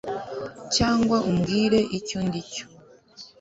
Cyangwa umbwire icyo ndi cyo